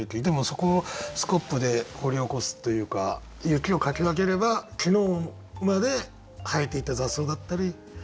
でもそこをスコップで掘り起こすというか雪をかき分ければ昨日まで生えていた雑草だったり。